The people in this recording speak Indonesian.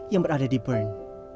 yang berada di bern